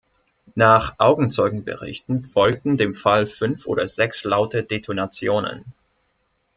Nach Augenzeugenberichten folgten dem Fall fünf oder sechs laute Detonationen.